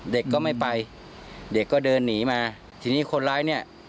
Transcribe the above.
เด็กก็ไม่ไปเด็กก็เดินหนีมาทีนี้คนร้ายเนี่ย